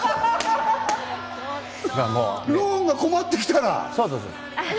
ローンが困ってきたら？